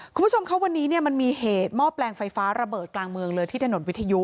คุณผู้ชมครับวันนี้เนี่ยมันมีเหตุหม้อแปลงไฟฟ้าระเบิดกลางเมืองเลยที่ถนนวิทยุ